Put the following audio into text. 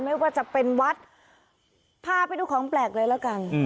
ไม่ว่าจะเป็นวัดพาไปดูของแปลกเลยแล้วกัน